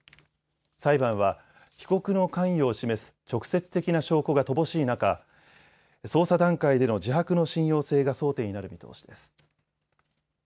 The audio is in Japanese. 裁判は被告の関与を示す直接的な証拠が乏しい中、捜査段階での自白の信用性が争点になる見通しです。